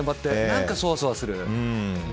何かそわそわする。